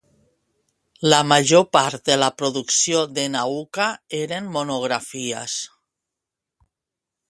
La major part de la producció de Nauka eren monografies.